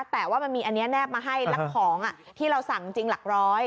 แต่ว่ามันมีอันนี้แนบมาให้แล้วของที่เราสั่งจริงหลักร้อย